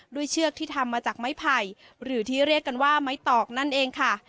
เชือกที่ทำมาจากไม้ไผ่หรือที่เรียกกันว่าไม้ตอกนั่นเองค่ะ